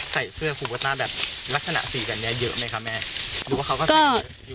ใส่เสื้อคูโกต้าแบบลักษณะสีแบบนี้เยอะไหมคะแม่หรือว่าเขาก็ใส่เยอะ